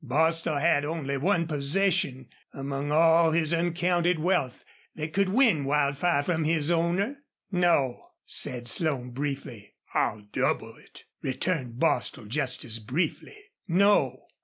Bostil had only one possession, among all his uncounted wealth, that could win Wildfire from his owner. "No," said Slone, briefly. "I'll double it," returned Bostil, just as briefly. "No!"